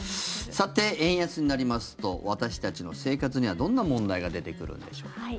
さて、円安になりますと私たちの生活にはどんな問題が出てくるんでしょう。